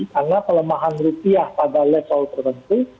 karena kelemahan rupiah pada level terbentuk